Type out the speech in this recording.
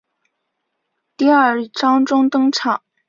第二章中登场。